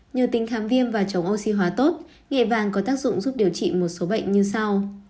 nhờ tính kháng viêm và chống oxy hóa tốt nghệ vàng có tác dụng giúp điều trị một số bệnh như sau